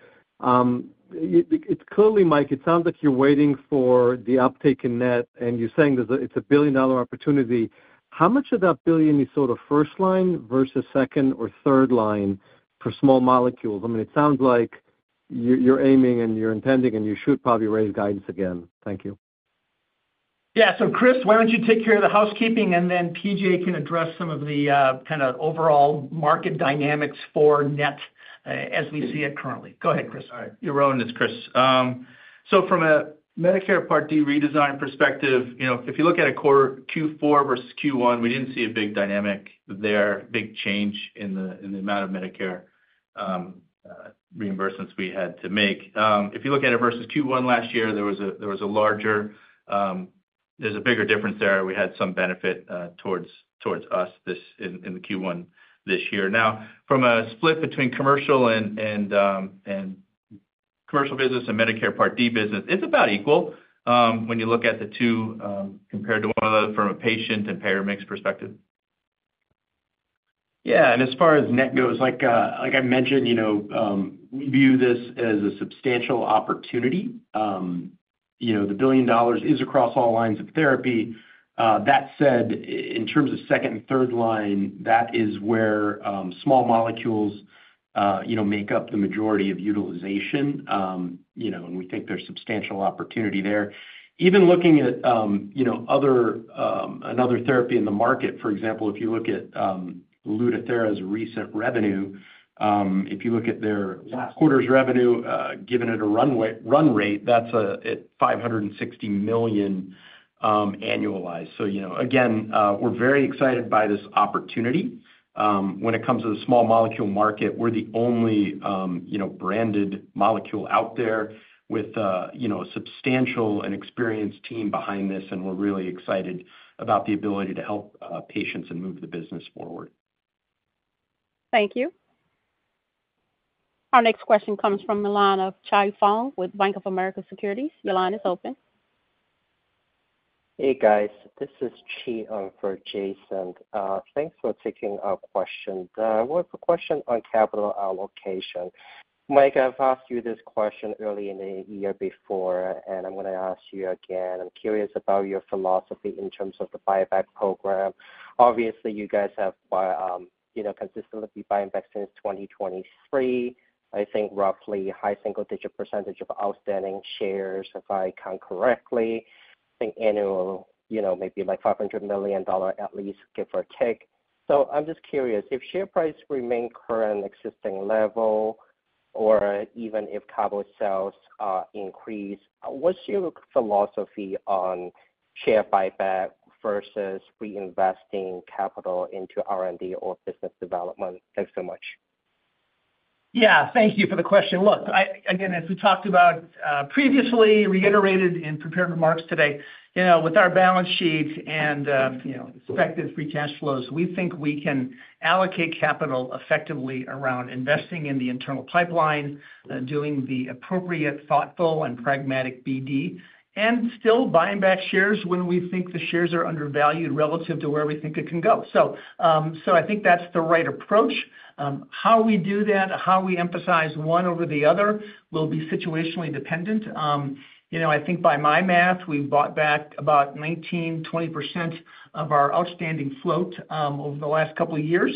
[SPEAKER 13] clearly, Mike, it sounds like you're waiting for the uptake in NET, and you're saying it's a billion-dollar opportunity. How much of that billion is sort of first line versus second or third line for small molecules? I mean, it sounds like you're aiming and you're intending, and you should probably raise guidance again. Thank you.
[SPEAKER 3] Yeah. So Chris, why don't you take care of the housekeeping, and then P.J. can address some of the kind of overall market dynamics for NET as we see it currently. Go ahead, Chris.
[SPEAKER 4] All right. Your role is Chris. So from a Medicare Part D redesign perspective, if you look at a quarter Q4 versus Q1, we did not see a big dynamic there, big change in the amount of Medicare reimbursements we had to make. If you look at it versus Q1 last year, there was a larger—there is a bigger difference there. We had some benefit towards us in the Q1 this year. Now, from a split between commercial and commercial business and Medicare Part D business, it is about equal when you look at the two compared to one another from a patient and payer mix perspective. Yeah. And as far as net goes, like I mentioned, we view this as a substantial opportunity. The billion dollars is across all lines of therapy. That said, in terms of second and third line, that is where small molecules make up the majority of utilization, and we think there's substantial opportunity there. Even looking at another therapy in the market, for example, if you look at Lutathera's recent revenue, if you look at their last quarter's revenue, given at a run rate, that's at $560 million annualized. We are very excited by this opportunity. When it comes to the small molecule market, we're the only branded molecule out there with a substantial and experienced team behind this, and we're really excited about the ability to help patients and move the business forward.
[SPEAKER 1] Thank you. Our next question comes from the line of Chai Fong with Bank of America Securities. Your line is open.
[SPEAKER 14] Hey, guys. This is Chi for Jason. Thanks for taking our question. We have a question on capital allocation. Mike, I've asked you this question early in the year before, and I'm going to ask you again. I'm curious about your philosophy in terms of the buyback program. Obviously, you guys have consistently been buying back since 2023. I think roughly high single-digit % of outstanding shares, if I count correctly. I think annual maybe like $500 million at least, give or take. I'm just curious, if share price remains current existing level or even if Cabo sales increase, what's your philosophy on share buyback versus reinvesting capital into R&D or business development? Thanks so much.
[SPEAKER 3] Yeah. Thank you for the question. Look, again, as we talked about previously, reiterated in prepared remarks today, with our balance sheet and expected free cash flows, we think we can allocate capital effectively around investing in the internal pipeline, doing the appropriate, thoughtful, and pragmatic BD, and still buying back shares when we think the shares are undervalued relative to where we think it can go. I think that's the right approach. How we do that, how we emphasize one over the other will be situationally dependent. I think by my math, we've bought back about 19-20% of our outstanding float over the last couple of years.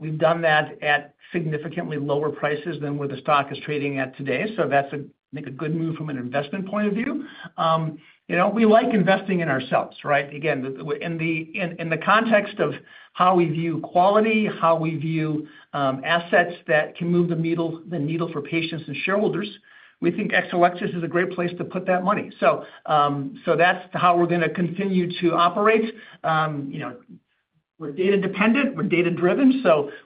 [SPEAKER 3] We've done that at significantly lower prices than where the stock is trading at today. That's a good move from an investment point of view. We like investing in ourselves, right? Again, in the context of how we view quality, how we view assets that can move the needle for patients and shareholders, we think Exelixis is a great place to put that money. That is how we're going to continue to operate. We're data dependent. We're data driven.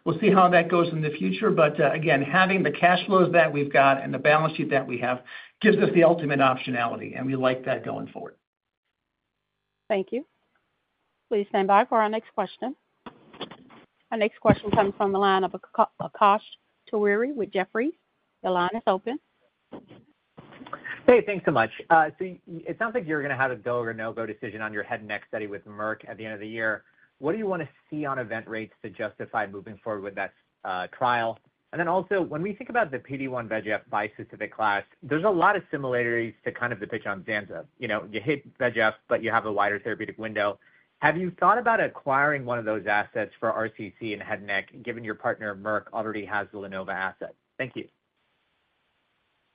[SPEAKER 3] We'll see how that goes in the future. Again, having the cash flows that we've got and the balance sheet that we have gives us the ultimate optionality, and we like that going forward.
[SPEAKER 1] Thank you. Please stand by for our next question. Our next question comes from the line of Akash Tewari with Jefferies. Your line is open.
[SPEAKER 15] Hey, thanks so much. It sounds like you're going to have a go or no-go decision on your head and neck study with Merck at the end of the year. What do you want to see on event rates to justify moving forward with that trial? Also, when we think about the PD1 VEGF bispecific class, there's a lot of similarities to kind of the pitch on Zanza. You hit VEGF, but you have a wider therapeutic window. Have you thought about acquiring one of those assets for RCC and head and neck, given your partner Merck already has the Lenova asset? Thank you.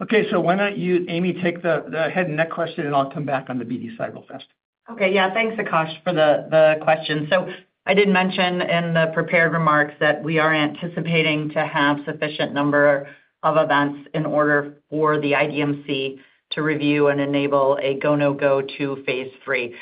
[SPEAKER 3] Okay. Why don't you, Amy, take the head and neck question, and I'll come back on the BD cycle fest.
[SPEAKER 6] Okay. Yeah. Thanks, Akash, for the question. I did mention in the prepared remarks that we are anticipating to have a sufficient number of events in order for the IDMC to review and enable a go, no-go to phase three.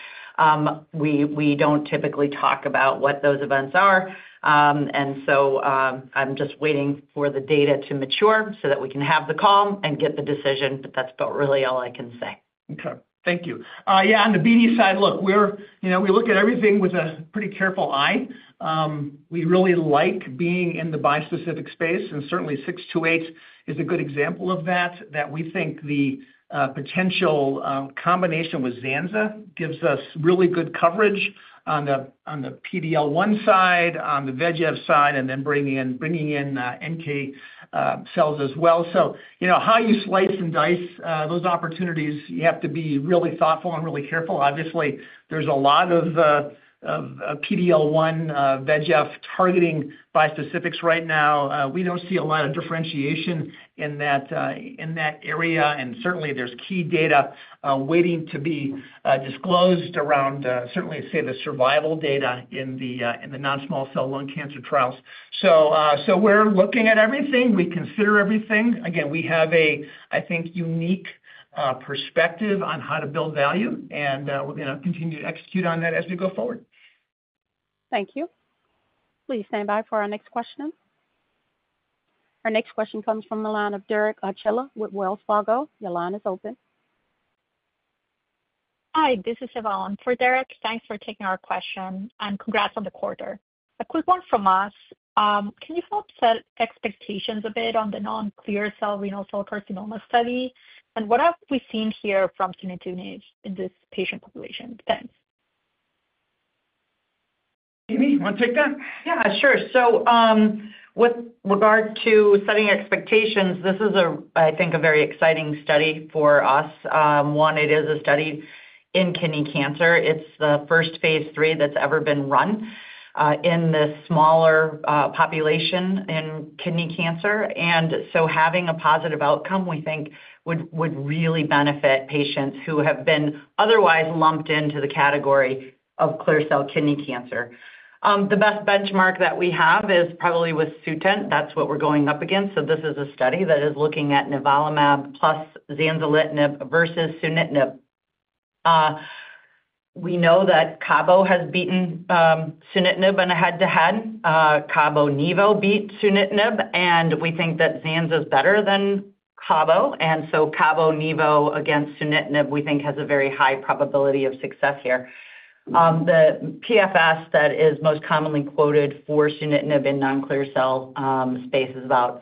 [SPEAKER 6] We do not typically talk about what those events are. I am just waiting for the data to mature so that we can have the call and get the decision, but that is about really all I can say.
[SPEAKER 3] Okay. Thank you. Yeah. On the BD side, look, we look at everything with a pretty careful eye. We really like being in the bispecific space, and certainly 628 is a good example of that, that we think the potential combination with Zanza gives us really good coverage on the PD-L1 side, on the VEGF side, and then bringing in NK cells as well. How you slice and dice those opportunities, you have to be really thoughtful and really careful. Obviously, there is a lot of PD-L1 VEGF targeting bispecifics right now. We do not see a lot of differentiation in that area. There is key data waiting to be disclosed around, certainly, say, the survival data in the non-small cell lung cancer trials. We are looking at everything. We consider everything. Again, we have a, I think, unique perspective on how to build value, and we're going to continue to execute on that as we go forward.
[SPEAKER 1] Thank you. Please stand by for our next question. Our next question comes from the line of Derek Achella with Wells Fargo. Your line is open.
[SPEAKER 16] Hi. This is Yvonne for Derek. Thanks for taking our question, and congrats on the quarter. A quick one from us. Can you help set expectations a bit on the non-clear cell renal cell carcinoma study? And what have we seen here from Cabometyx in this patient population? Thanks.
[SPEAKER 3] Amy, you want to take that?
[SPEAKER 6] Yeah, sure. With regard to setting expectations, this is, I think, a very exciting study for us. One, it is a study in kidney cancer. It is the first phase three that has ever been run in the smaller population in kidney cancer. Having a positive outcome, we think, would really benefit patients who have been otherwise lumped into the category of clear cell kidney cancer. The best benchmark that we have is probably with Sunitinib. That is what we are going up against. This is a study that is looking at nivolumab plus zanzalintinib versus sunitinib. We know that Cabo has beaten sunitinib in a head-to-head. Cabo Nevo beat sunitinib, and we think that Zanza is better than Cabo. Cabo Nevo against sunitinib, we think, has a very high probability of success here. The PFS that is most commonly quoted for sunitinib in non-clear cell space is about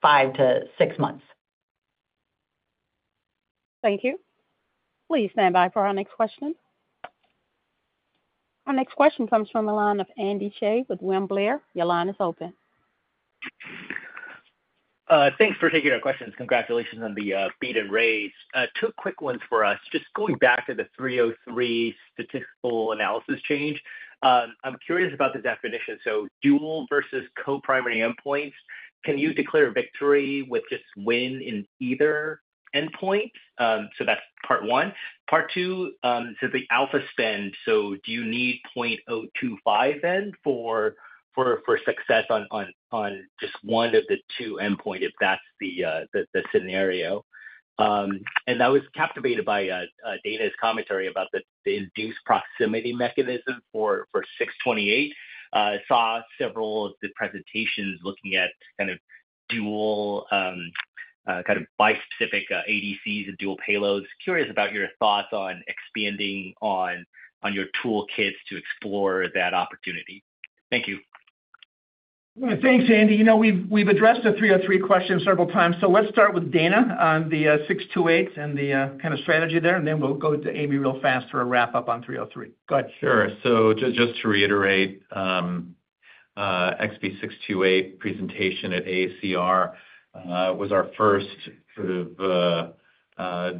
[SPEAKER 6] five to six months.
[SPEAKER 1] Thank you. Please stand by for our next question. Our next question comes from the line of Andy Che with Wembler. Your line is open.
[SPEAKER 17] Thanks for taking our questions. Congratulations on the beat and raise. Two quick ones for us. Just going back to the 303 statistical analysis change, I'm curious about the definition. Dual versus co-primary endpoints, can you declare victory with just win in either endpoint? That is part one. Part two, the alpha spend. Do you need 0.025 then for success on just one of the two endpoints if that is the scenario? I was captivated by Dana's commentary about the induced proximity mechanism for 628. I saw several of the presentations looking at kind of dual kind of bispecific ADCs and dual payloads. Curious about your thoughts on expanding on your toolkits to explore that opportunity. Thank you.
[SPEAKER 3] Thanks, Andy. We've addressed the 303 question several times. Let's start with Dana on the 628 and the kind of strategy there, and then we'll go to Amy real fast for a wrap-up on 303. Go ahead.
[SPEAKER 7] Sure. So just to reiterate, XB628 presentation at AACR was our first sort of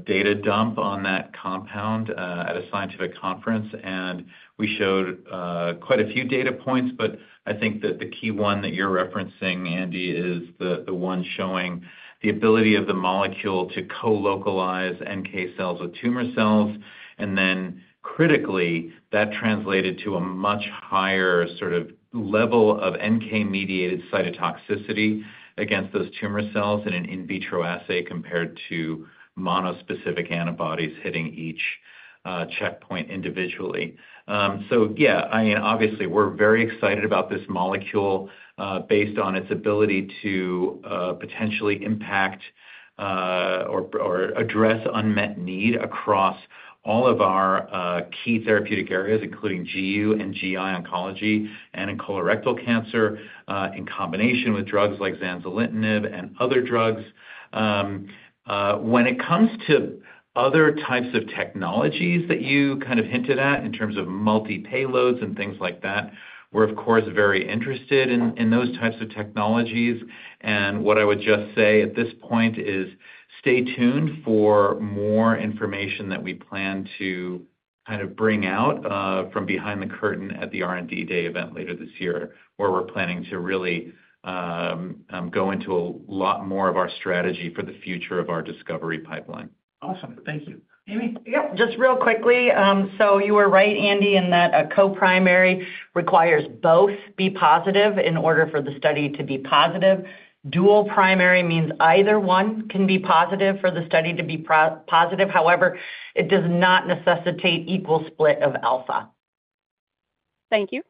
[SPEAKER 7] data dump on that compound at a scientific conference, and we showed quite a few data points. I think that the key one that you're referencing, Andy, is the one showing the ability of the molecule to co-localize NK cells with tumor cells. Then critically, that translated to a much higher sort of level of NK-mediated cytotoxicity against those tumor cells in an in vitro assay compared to monospecific antibodies hitting each checkpoint individually. Yeah, I mean, obviously, we're very excited about this molecule based on its ability to potentially impact or address unmet need across all of our key therapeutic areas, including GU and GI oncology and in colorectal cancer in combination with drugs like zanzalintinib and other drugs. When it comes to other types of technologies that you kind of hinted at in terms of multi-payloads and things like that, we're, of course, very interested in those types of technologies. What I would just say at this point is stay tuned for more information that we plan to kind of bring out from behind the curtain at the R&D Day event later this year, where we're planning to really go into a lot more of our strategy for the future of our discovery pipeline.
[SPEAKER 3] Awesome. Thank you. Amy?
[SPEAKER 6] Yep. Just real quickly. You were right, Andy, in that a co-primary requires both be positive in order for the study to be positive. Dual primary means either one can be positive for the study to be positive. However, it does not necessitate equal split of alpha.
[SPEAKER 1] Thank you.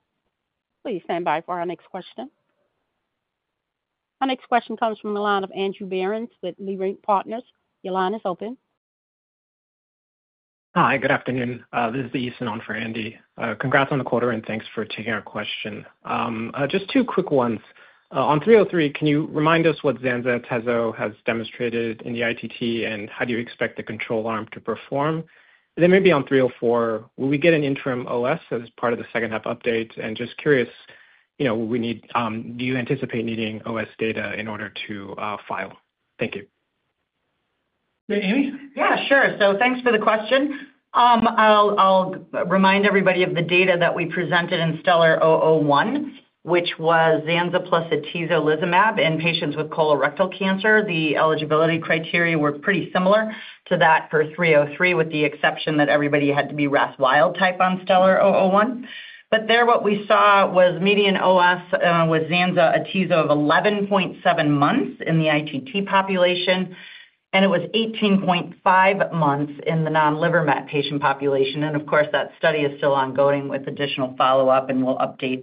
[SPEAKER 1] Please stand by for our next question. Our next question comes from the line of Andy Barrons with Leerink Partners. Your line is open.
[SPEAKER 18] Hi. Good afternoon. This is Eason on for Andy. Congrats on the quarter, and thanks for taking our question. Just two quick ones. On 303, can you remind us what Zanza Tezzo has demonstrated in the ITT, and how do you expect the control arm to perform? On 304, will we get an interim OS as part of the second-half update? Just curious, do you anticipate needing OS data in order to file? Thank you.
[SPEAKER 3] Amy?
[SPEAKER 6] Yeah, sure. Thanks for the question. I'll remind everybody of the data that we presented in STELLAR-001, which was Zanza plus Atazolizumab in patients with colorectal cancer. The eligibility criteria were pretty similar to that for 303, with the exception that everybody had to be RAS wild type on STELLAR-001. What we saw there was median OS with Zanza Atazo of 11.7 months in the ITT population, and it was 18.5 months in the non-liver met patient population. Of course, that study is still ongoing with additional follow-up, and we'll update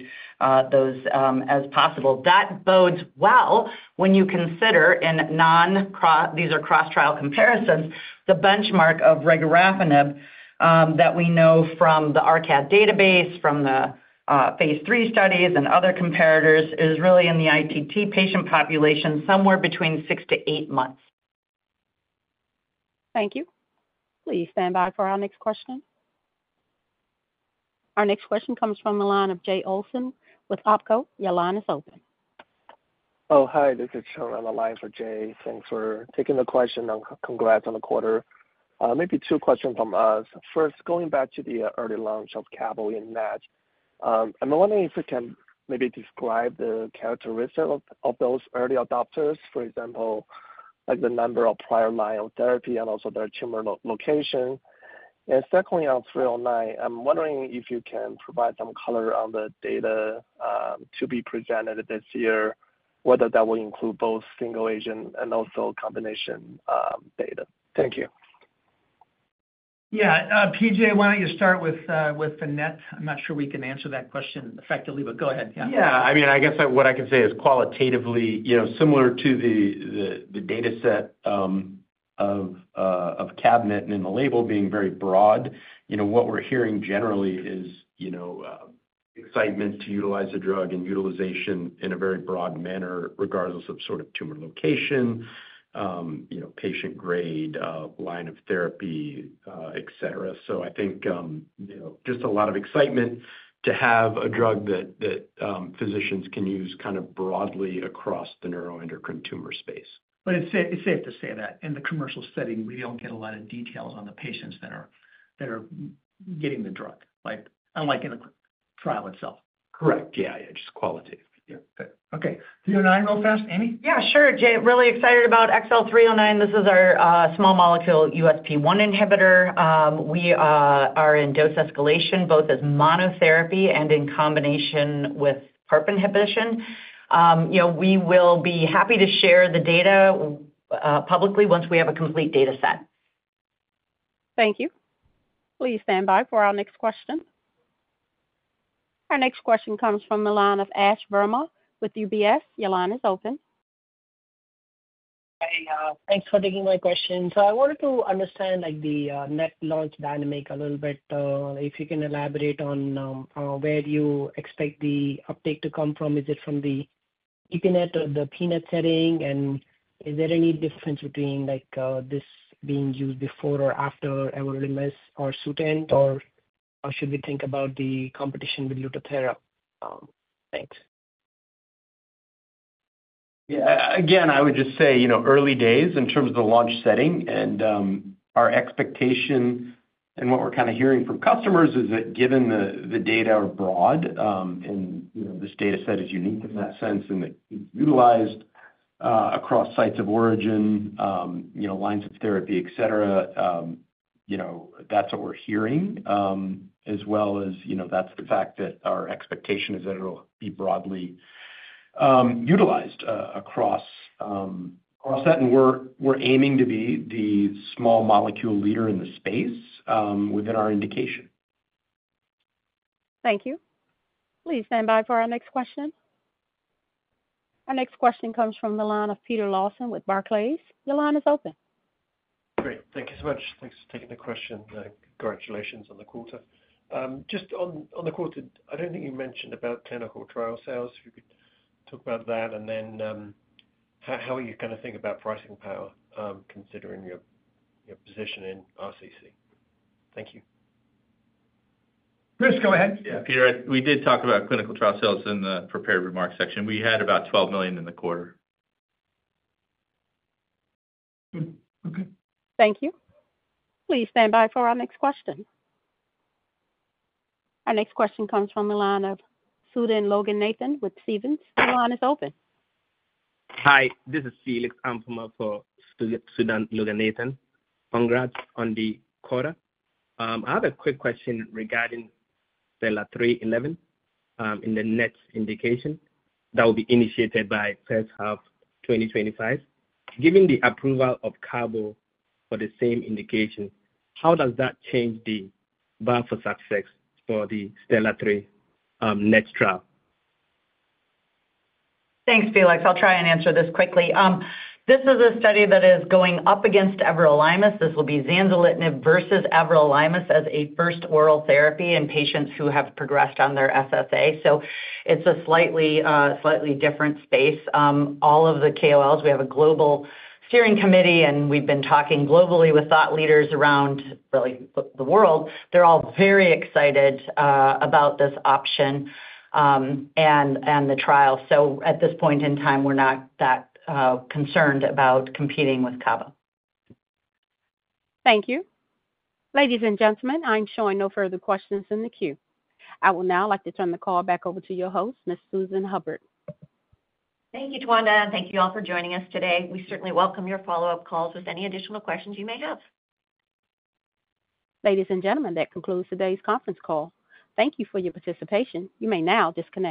[SPEAKER 6] those as possible. That bodes well when you consider in non—these are cross-trial comparisons—the benchmark of regorafenib that we know from the RCAD database, from the phase three studies and other comparators is really in the ITT patient population somewhere between six to eight months.
[SPEAKER 1] Thank you. Please stand by for our next question. Our next question comes from the line of Jay Olson with Opco. Your line is open.
[SPEAKER 19] Oh, hi. This is Cheryl on the line for Jay. Thanks for taking the question. Congrats on the quarter. Maybe two questions from us. First, going back to the early launch of Cabometyx, I'm wondering if you can maybe describe the characteristics of those early adopters, for example, the number of prior lines of therapy and also their tumor location. Secondly, on XL309, I'm wondering if you can provide some color on the data to be presented this year, whether that will include both single-agent and also combination data. Thank you.
[SPEAKER 3] Yeah. P.J., why don't you start with Fenette? I'm not sure we can answer that question effectively, but go ahead. Yeah.
[SPEAKER 5] Yeah. I mean, I guess what I can say is qualitatively similar to the dataset of Cabometyx and in the label being very broad. What we're hearing generally is excitement to utilize the drug and utilization in a very broad manner, regardless of sort of tumor location, patient grade, line of therapy, etc. I think just a lot of excitement to have a drug that physicians can use kind of broadly across the neuroendocrine tumor space.
[SPEAKER 3] It's safe to say that in the commercial setting, we don't get a lot of details on the patients that are getting the drug, unlike in the trial itself.
[SPEAKER 5] Correct. Yeah. Just qualitative.
[SPEAKER 3] Yeah. Okay. 309 real fast. Amy?
[SPEAKER 6] Yeah. Sure. Jay, really excited about XL309. This is our small molecule USP1 inhibitor. We are in dose escalation both as monotherapy and in combination with PARP inhibition. We will be happy to share the data publicly once we have a complete dataset.
[SPEAKER 1] Thank you. Please stand by for our next question. Our next question comes from the line of Ash Verma with UBS. Your line is open.
[SPEAKER 20] Hi. Thanks for taking my question. I wanted to understand the NET launch dynamic a little bit. If you can elaborate on where you expect the uptake to come from. Is it from the EPNET or the PNET setting? Is there any difference between this being used before or after Everolimus or Sunitinib, or should we think about the competition with Lutathera? Thanks.
[SPEAKER 5] Yeah. Again, I would just say early days in terms of the launch setting. Our expectation and what we're kind of hearing from customers is that given the data are broad and this dataset is unique in that sense and utilized across sites of origin, lines of therapy, etc., that's what we're hearing, as well as that's the fact that our expectation is that it'll be broadly utilized across that. We're aiming to be the small molecule leader in the space within our indication.
[SPEAKER 1] Thank you. Please stand by for our next question. Our next question comes from the line of Peter Lawson with Barclays. Your line is open.
[SPEAKER 21] Great. Thank you so much. Thanks for taking the question. Congratulations on the quarter. Just on the quarter, I don't think you mentioned about clinical trial sales. If you could talk about that. Then how are you kind of thinking about pricing power considering your position in RCC? Thank you.
[SPEAKER 3] Chris, go ahead.
[SPEAKER 4] Yeah. Peter, we did talk about clinical trial sales in the prepared remark section. We had about $12 million in the quarter.
[SPEAKER 3] Good. Okay.
[SPEAKER 1] Thank you. Please stand by for our next question. Our next question comes from the line of Suthan Logan Nathan with Siemens. Your line is open.
[SPEAKER 22] Hi. This is Felix Amphama for Suthan Logan Nathan. Congrats on the quarter. I have a quick question regarding Stellar 311 in the next indication that will be initiated by first half 2025. Given the approval of Cabo for the same indication, how does that change the bar for success for the Stellar 3 NET trial?
[SPEAKER 6] Thanks, Felix. I'll try and answer this quickly. This is a study that is going up against everolimus. This will be zanzalintinib versus everolimus as a first oral therapy in patients who have progressed on their SSA. It is a slightly different space. All of the KOLs, we have a global steering committee, and we've been talking globally with thought leaders around really the world. They're all very excited about this option and the trial. At this point in time, we're not that concerned about competing with Cabo.
[SPEAKER 1] Thank you. Ladies and gentlemen, I'm showing no further questions in the queue. I would now like to turn the call back over to your host, Ms. Susan Hubbard.
[SPEAKER 2] Thank you, Twanda. Thank you all for joining us today. We certainly welcome your follow-up calls with any additional questions you may have.
[SPEAKER 1] Ladies and gentlemen, that concludes today's conference call. Thank you for your participation. You may now disconnect.